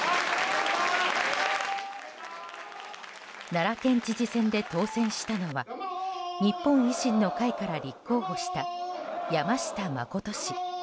奈良県知事選で当選したのは日本維新の会から立候補した山下真氏。